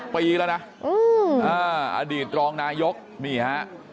ปีแล้วนะอดีตรองนายกนี่ฮะ